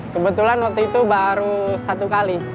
kebetulan waktu itu baru satu kali